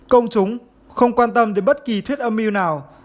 công chúng không quan tâm đến bất kỳ thuyết âm mưu nào